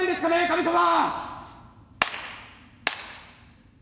神様！